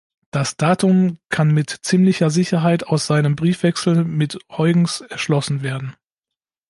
Das Datum kann mit ziemlicher Sicherheit aus seinem Briefwechsel mit Huygens erschlossen werden.